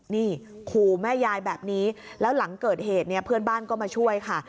นี่ขู่แม่ยายแบบนี้แล้วหลังเกิดเหตุเนี่ยเพื่อนบ้านก็มาช่วยค่ะ